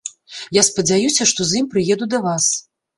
Я спадзяюся, што з ім прыеду да вас.